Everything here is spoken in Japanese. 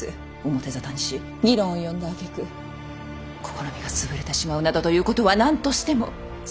表沙汰にし議論を呼んだあげく試みが潰れてしまうなどということは何としても避けたいのです。